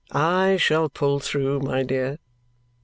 I shall pull through, my dear!"